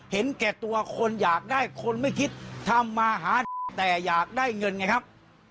เห็นแก่ตัวคนอยากได้คนไม่คิดทำมาหากินแต่อยากได้เงินไงครับ